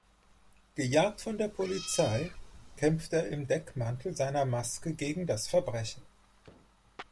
Gejagt von der Polizei, kämpft er im Deckmantel seiner Maske gegen das Verbrechen.